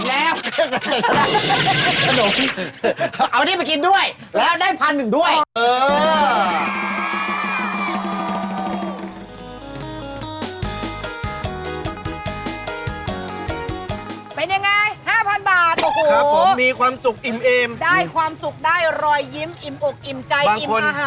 เฮียบท่อตรอบอย่างเง่นรูปตัวเกียจโรย